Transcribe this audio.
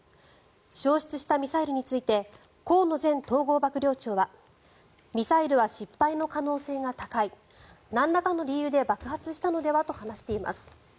消失したミサイルについて河野前統合幕僚長はミサイルは失敗の可能性が高いなんらかの理由で爆発したのではと話しています。